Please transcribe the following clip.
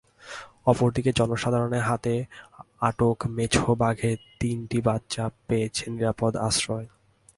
অপরদিকে জনসাধারণের হাতে আটক মেছো বাঘের তিনটি বাচ্চা পেয়েছে নিরাপদ আশ্রয়।